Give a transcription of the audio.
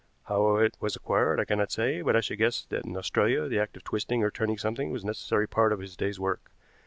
How it was acquired I cannot say, but I should guess that in Australia the act of twisting or turning something was a necessary part of his day's work.